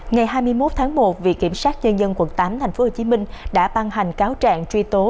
ngày hai mươi một tháng một viện kiểm sát nhân dân quận tám tp hcm đã ban hành cáo trạng truy tố